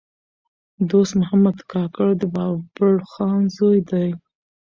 دوست محمد کاکړ د بابړخان زوی دﺉ.